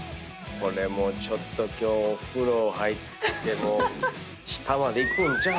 これもうちょっと今日お風呂入っても下まで行くんちゃう？